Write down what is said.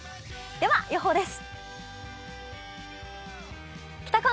では、予報です。